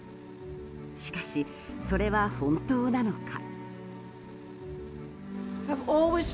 しかし、それは本当なのか。